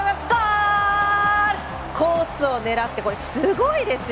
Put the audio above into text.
コースを狙ってこれ、すごいですよ。